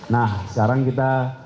nah sekarang kita